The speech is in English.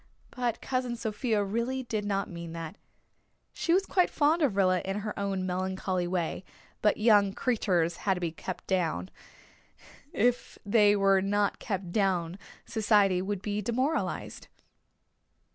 But Cousin Sophia really did not mean that. She was quite fond of Rilla in her own melancholy way; but young creeturs had to be kept down. If they were not kept down society would be demoralized.